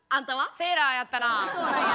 セーラーやったな！